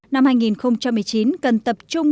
năm hai nghìn một mươi chín cần tập trung